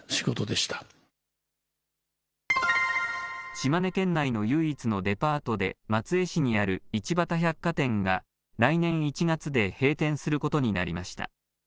島根県内の唯一のデパートで、松江市にある一畑百貨店が、来年１月で閉店することになりました。